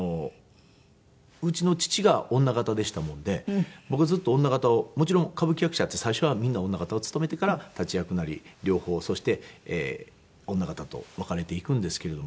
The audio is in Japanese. うちの父が女形でしたもんで僕ずっと女形をもちろん歌舞伎役者って最初はみんな女形を勤めてから立役なり両方そして女形と分かれていくんですけれども。